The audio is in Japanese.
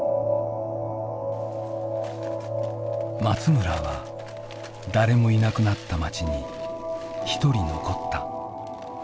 松村は誰もいなくなった町にひとり残った。